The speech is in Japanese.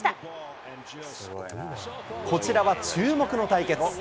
こちらは注目の対決。